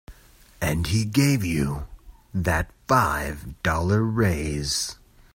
And he gave you that five dollar raise.